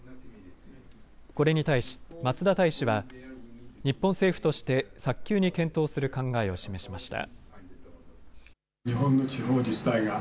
これに対し松田大使は日本政府として早急に検討する考えを示しました。